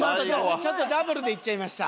ちょっとダブルでいっちゃいました。